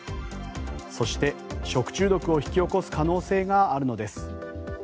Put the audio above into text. そして、食中毒を引き起こす可能性があるのです。